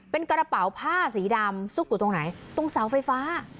เป็นกระเป๋าผ้าสีดำซุกอยู่ตรงไหนตรงเสาไฟฟ้า